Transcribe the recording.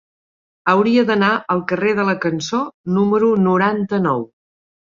Hauria d'anar al carrer de la Cançó número noranta-nou.